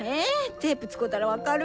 テープ使うたら分かる？